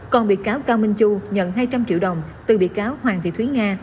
còn bị cáo cao minh chu nhận hai trăm linh triệu đồng từ bị cáo hoàng thị thúy nga